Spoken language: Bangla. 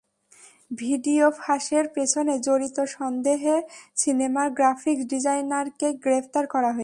ভিডিও ফাঁসের পেছনে জড়িত সন্দেহে সিনেমার গ্রাফিক্স ডিজাইনারকে গ্রেপ্তার করা হয়েছে।